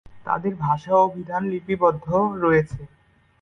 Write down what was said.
তাদের ভাষা অভিধানে লিপিবদ্ধ রয়েছে।